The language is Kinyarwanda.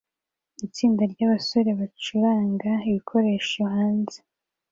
Itsinda ryabasore bacuranga ibikoresho hanze